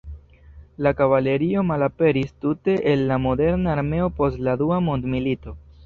La kavalerio malaperis tute el la moderna armeo post la Dua Mondmilito.